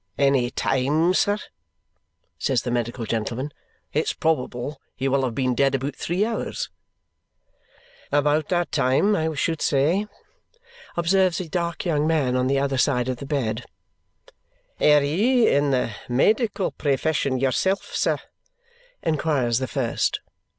"Any time, sir?" says the medical gentleman. "It's probable he wull have been dead aboot three hours." "About that time, I should say," observes a dark young man on the other side of the bed. "Air you in the maydickle prayfession yourself, sir?" inquires the first.